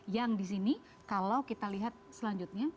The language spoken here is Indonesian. yang di sini kalau kita lihat selanjutnya